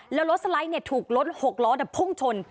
แล้วรถสลายถูกลด๖ล้อแต่พุ่งชน